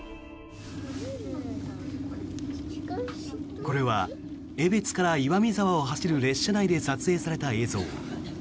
これは江別から岩見沢を走る列車内で撮影された映像。